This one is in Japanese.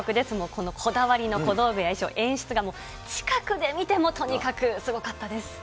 このこだわりの小道具や衣装、演出が近くで見てもとにかくすごかったです。